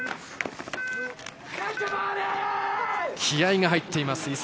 気合いが入っています